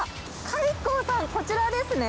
海幸さん、こちらですね。